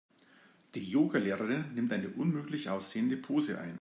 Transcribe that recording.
Die Yoga-Lehrerin nimmt eine unmöglich aussehende Pose ein.